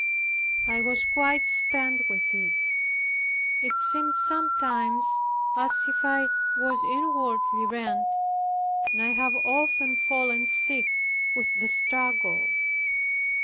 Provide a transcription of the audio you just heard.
I was quite spent with it. It seemed sometimes as if I was inwardly rent, and I have often fallen sick with the struggle.